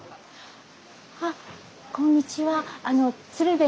あっこんにちは。